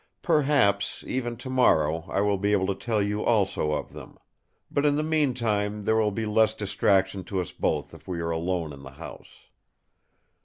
Perhaps, even tomorrow, I will be able to tell you also of them; but in the meantime there will be less distraction to us both if we are alone in the house."